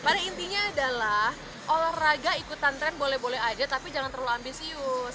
pada intinya adalah olahraga ikutan tren boleh boleh aja tapi jangan terlalu ambisius